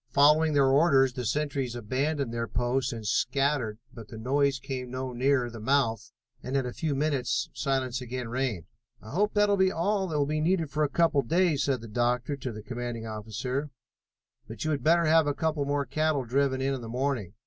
Following their orders the sentries abandoned their posts and scattered, but the noise came no nearer the mouth, and in a few minutes silence again reigned. "I hope that will be all that will be needed for a couple of days," said the doctor to the commanding officer, "but you had better have a couple more cattle driven in in the morning.